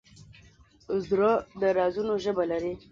زړه د رازونو ژبه لري.